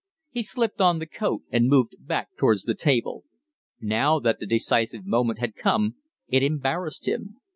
He slipped on the coat and moved back towards the table. Now that the decisive moment had come, it embarrassed him.